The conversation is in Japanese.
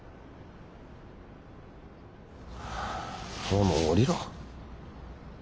お前もう降りろ。